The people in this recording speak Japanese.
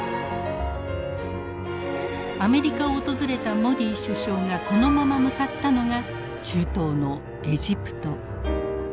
アメリカを訪れたモディ首相がそのまま向かったのが中東のエジプト。